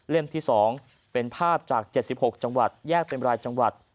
ที่๒เป็นภาพจาก๗๖จังหวัดแยกเป็นรายจังหวัด